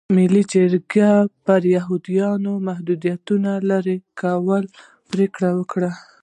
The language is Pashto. ملي جرګې پر یهودیانو د محدودیتونو لرې کولو پرېکړه وکړه.